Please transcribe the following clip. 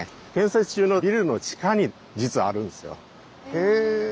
へえ。